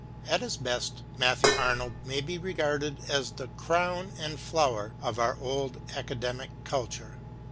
At his best Matthew Arnold may be regarded as the crown and flower of our old academic culture.